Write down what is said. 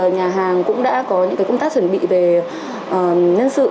nhà hàng cũng đã có những công tác chuẩn bị về nhân sự